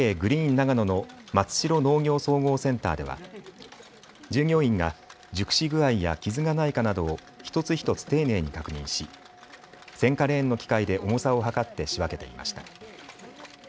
長野の松代農業総合センターでは従業員が熟し具合や傷がないかなどを一つ一つ丁寧に確認し選果レーンの機械で重さを量って仕分けていました。